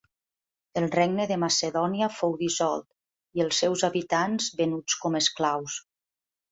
El regne de Macedònia fou dissolt i els seus habitants venuts com esclaus.